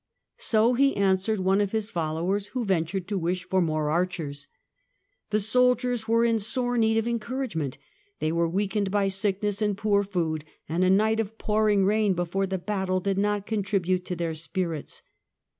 So he answered one of his followers who ventured to wish for more archers. The soldiers were in sore need of encouragement, they were weakened by sickness and poor food, and a night of pouring rain before the battle did not contribute to raise their spirits.